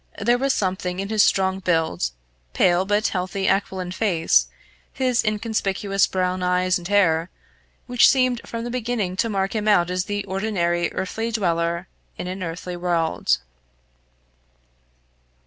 There was something in his strong build, pale but healthy aquiline face, his inconspicuous brown eyes and hair, which seemed from the beginning to mark him out as the ordinary earthy dweller in an earthy world.